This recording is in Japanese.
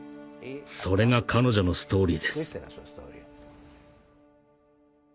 それが彼女のストーリーです。